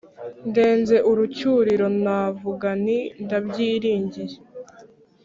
ndenze urucyuriro Navuga nti Ndabyiringiye